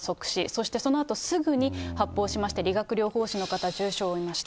そしてそのあとすぐに発砲しまして、理学療法士の方、重傷を負いました。